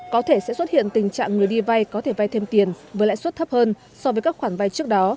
có thể sẽ xuất hiện tình trạng người đi vay có thể vay thêm tiền với lãi suất thấp hơn so với các khoản vay trước đó